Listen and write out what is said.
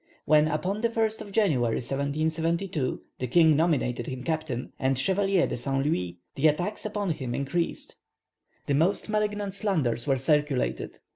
When upon the 1st of January, 1772, the king nominated him captain, and Chevalier de Saint Louis, the attacks upon him increased. The most malignant slanders were circulated.